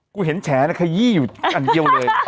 เห็นแฉนะขยี้อยู่อันเดียวเลย